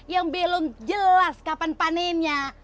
yang belum jelas kapan panennya